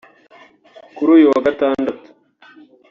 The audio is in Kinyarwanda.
Kuri uyu wa gatandatu